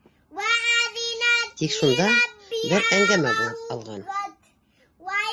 Тик шунда бер әңгәмә булып алған...